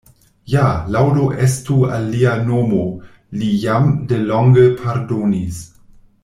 Ja, laŭdo estu al Lia Nomo, Li jam de longe pardonis.